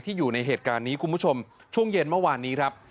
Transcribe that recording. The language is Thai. อยู่ในเหตุการณ์นี้คุณผู้ชมช่วงเย็นเมื่อวานนี้ครับ